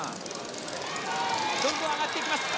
「どんどん上がっていきます」